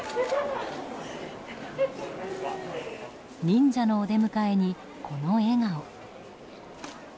忍者のお出迎えに、この笑顔。